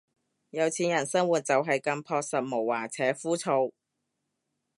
有錢人生活就係咁樸實無華且枯燥